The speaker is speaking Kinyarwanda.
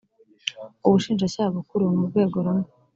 Ubushinjacyaha Bukuru ni urwego rumwe